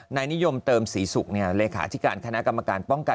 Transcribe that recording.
นายนิยมเติมศรีศุกร์เลขาธิการคณะกรรมการป้องกัน